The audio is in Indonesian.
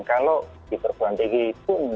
kalau di perkeluhan tinggi pun